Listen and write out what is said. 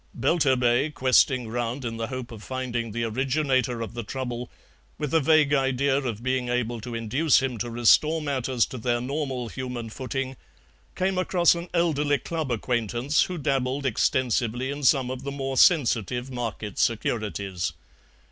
Belturbet, questing round in the hope of finding the originator of the trouble, with a vague idea of being able to induce him to restore matters to their normal human footing, came across an elderly club acquaintance who dabbled extensively in some of the more sensitive market securities.